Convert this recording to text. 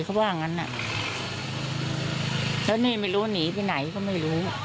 เขาว่างั้นอ่ะแล้วนี่ไม่รู้หนีไปไหนก็ไม่รู้